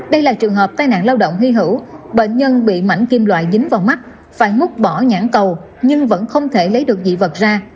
đây là trường hợp tai nạn lao động hy hữu bệnh nhân bị mảnh kim loại dính vào mắt phải mút bỏ nhãn cầu nhưng vẫn không thể lấy được dị vật ra